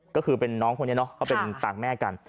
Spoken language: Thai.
ก็คือเป็นน้องคนนี้เนอะ